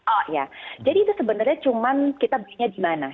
oh ya jadi itu sebenarnya cuman kita belinya di mana